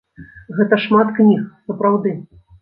Гэта шмат кніг, сапраўды.